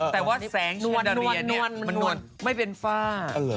แต่ว่าแสงเช่นเดอเรียเนี่ยมันไม่เป็นฝ้า